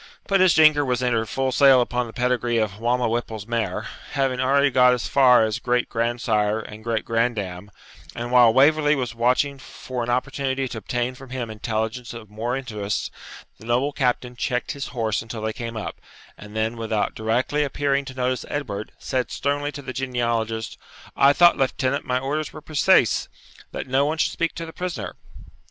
But as Jinker was entered full sail upon the pedigree of Balmawhapple's mare, having already got as far as great grandsire and great grand dam, and while Waverley was watching for an opportunity to obtain from him intelligence of more interest, the noble captain checked his horse until they came up, and then, without directly appearing to notice Edward, said sternly to the genealogist, 'I thought, lieutenant, my orders were preceese, that no one should speak to the prisoner?'